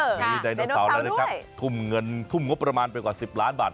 เออมีดายโนเสาร์ด้วยทุ่มเงินทุ่มงบประมาณไปกว่า๑๐ล้านบาท